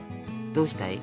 どうしたい？